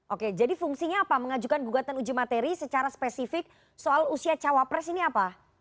oke jadi fungsinya apa mengajukan gugatan uji materi secara spesifik soal usia cawapres ini apa